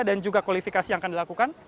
dan juga kualifikasi yang akan dilakukan